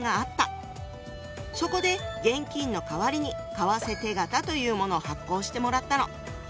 そこで現金の代わりに「為替手形」というものを発行してもらったの。